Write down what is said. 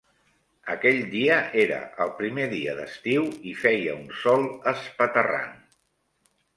Aquell dia era el primer dia d'estiu i feia un sol espatarrant.